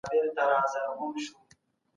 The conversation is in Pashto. د پوهني کچه په تيرو کلونو کي لوړه سوي ده.